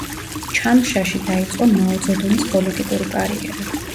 ჩანშაში დაიწყო მაო ძედუნის პოლიტიკური კარიერა.